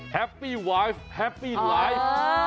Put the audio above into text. แฮปปี้วายแฮปปี้ไลฟ์